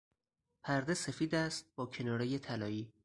پرده سفید است با کنارهی طلایی.